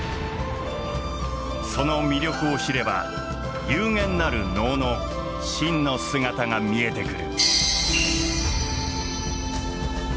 その魅力を知れば幽玄なる能の真の姿が見えてくる。